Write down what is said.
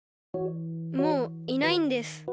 もういないんです。